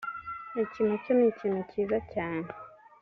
Iki nacyo ni ikintu cyiza cyane